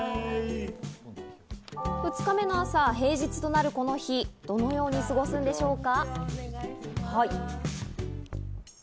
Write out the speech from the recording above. ２日目の朝、平日となるこの日、どのように過ごすんでしょうか？